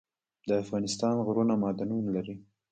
د افغانستان غرونه معدنونه لري